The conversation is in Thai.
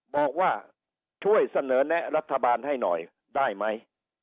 บอกว่าช่วยเสนอแนะรัฐบาลให้หน่อยได้ไหม